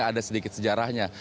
ada sedikit sejarahnya